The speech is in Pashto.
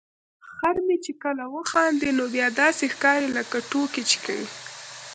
خر مې چې کله وخاندي نو بیا داسې ښکاري لکه ټوکې چې کوي.